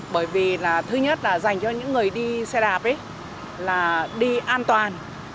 bởi vì thứ nhất là dành cho những người đi xe đạp đi an toàn